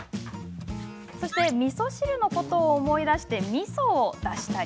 みそ汁のことを思い出してみそを出したり。